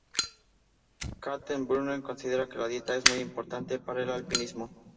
Kaltenbrunner considera que la dieta es muy importante para el alpinismo.